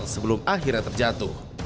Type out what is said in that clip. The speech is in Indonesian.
sebelum akhirnya terjatuh